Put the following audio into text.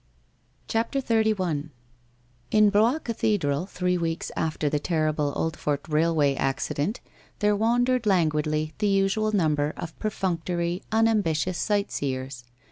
CHAPTER XXXI In Blois Cathedral three weeks after the terrible Oldfort railway accident, there wandered languidly the usual num ber of perfunctory, unambitious sightseers.